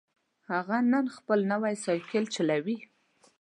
هغه نن خپل نوی سایکل چلوي